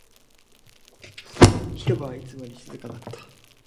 広場はいつもよりも静かだった